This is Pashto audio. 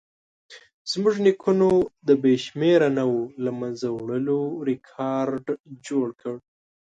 زموږ نیکونو د بې شمېره نوعو له منځه وړلو ریکارډ جوړ کړ.